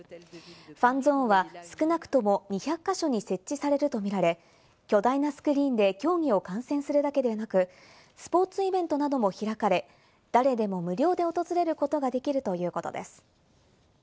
ファンゾーンは少なくとも２００か所に設置されると見られ、巨大なスクリーンで競技を観戦するだけでなく、スポーツイベントなども開かれ、誰でも無料で訪れることができるということです。